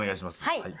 はい。